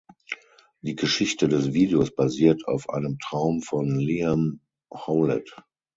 Die Geschichte des Videos basiert auf einem Traum von Liam Howlett.